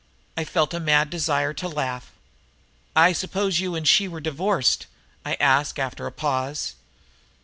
I felt a mad desire to laugh. "I suppose you and she were divorced?" I asked after a pause.